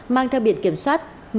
mang theo biển kiểm soát